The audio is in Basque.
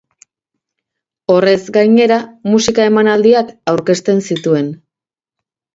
Horrez gainera, musika-emanaldiak aurkezten zituen.